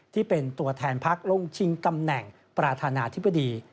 ที่เป็นตัวแทนพักลงชิงตำแหน่งประธานาธิบดี